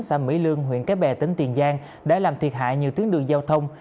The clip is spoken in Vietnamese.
xã mỹ lương huyện cái bè tỉnh tiền giang đã làm thiệt hại nhiều tuyến đường giao thông